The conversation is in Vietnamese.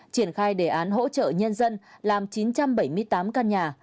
triển khai đề án hỗ trợ nhân dân làm chín trăm bảy mươi tám căn nhà